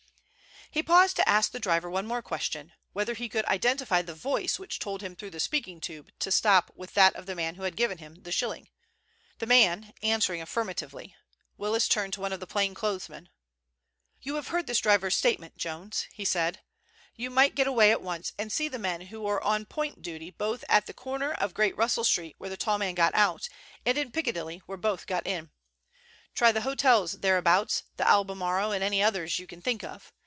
He paused to ask the driver one more question, whether he could identify the voice which told him through the speaking tube to stop with that of the man who had given him the shilling. The man answering affirmatively, Willis turned to one of the plain clothes men. "You have heard this driver's statement, Jones," he said. "You might get away at once and see the men who were on point duty both at the corner of Great Russell Street where the tall man got out, and in Piccadilly, where both got in. Try the hotels thereabouts, the Albemarle and any others you can think of.